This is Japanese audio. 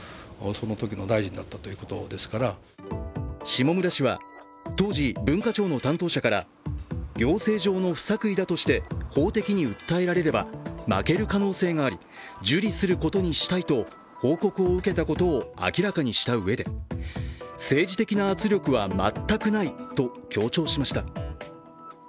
下村氏は当時、文化庁の担当者から行政上の不作為だとして法的に訴えられれば負ける可能性があり、受理することにしたいと報告を受けたことを明らかにしたうえで政治的な圧力は全くないと強調しました。